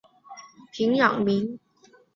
平壤民俗公园内有主体思想塔的微缩复制品。